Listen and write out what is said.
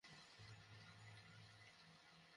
বাবা আর আমি একসাথে দশটা দিন পার করে দিলাম!